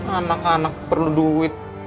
anak anak perlu duit